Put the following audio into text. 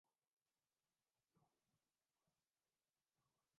لوگوں کو خوش آمدیدگی کا احساس دلاتا ہوں